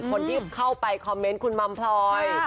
คนที่เข้าไปคอมเมนต์คุณมัมพลอย